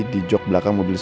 siap lah bos